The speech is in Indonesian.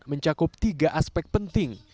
mencakup tiga aspek penting